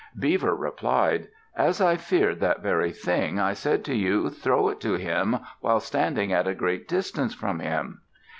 Beaver replied, "As I feared that very thing, I said to you, 'Throw it to him while standing at a great distance from him.'"